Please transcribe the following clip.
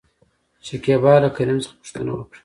شکيبا له کريم څخه پوښتنه وکړه ؟